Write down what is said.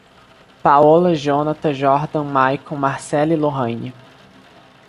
Paola, Jónata, Jordan, Maicon, Marceli e Loraine